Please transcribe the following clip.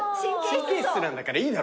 神経質なんだからいいだろ。